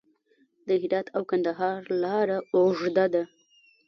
د هرات او کندهار لاره اوږده ده